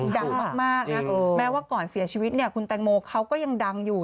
ดังมากนะแม้ว่าก่อนเสียชีวิตเนี่ยคุณแตงโมเขาก็ยังดังอยู่